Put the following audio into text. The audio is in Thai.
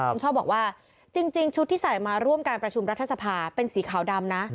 คุณชอบบอกว่าจริงชุดที่ใส่มาร่วมการประชุมรัฐสภาเป็นสีขาวดำนะ